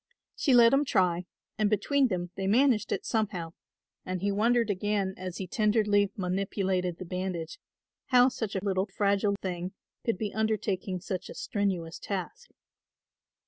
She let him try and between them they managed it somehow, and he wondered again as he tenderly manipulated the bandage, how such a little fragile thing could be undertaking such a strenuous task.